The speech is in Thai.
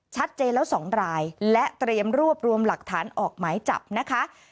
ชัดเจนแล้ว๒รายและเตรียมรวบรวมหลักฐานออกหมายจับนะคะ